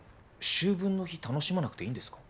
秋分の日楽しまなくていいんですか？